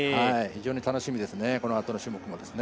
非常に楽しみですね、このあとの種目が。